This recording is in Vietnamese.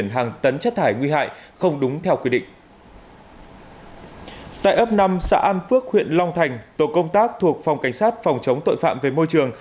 tại ấp năm xã an phước huyện long thành tổ công tác thuộc phòng cảnh sát phòng chống tội phạm về môi trường